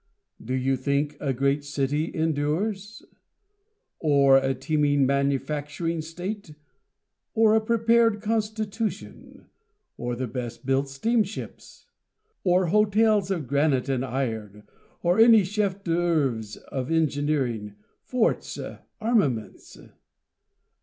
Do you think a great city endures? Or a teeming manufacturing state? or a prepared constitution? or the best built steamships? Or hotels of granite and iron? or any chef d'oeuvres of engineering, forts, armaments?